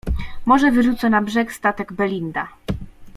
"Morze wyrzuca na brzeg statek „Belinda“."